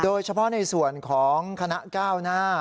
โดยเฉพาะในส่วนของคณะก้าวหน้า